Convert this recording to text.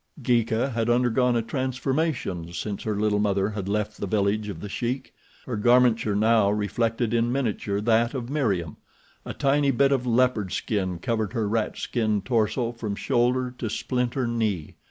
Geeka had undergone a transformation since her little mother had left the village of The Sheik. Her garmenture now reflected in miniature that of Meriem. A tiny bit of leopard skin covered her ratskin torso from shoulder to splinter knee.